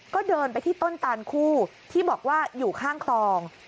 ก็เดินไปที่ต้นตานคู่ที่บอกว่าอยู่ข้างคลอง